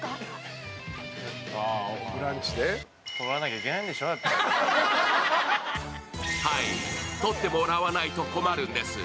ということではい、撮ってもらわないと困るんです。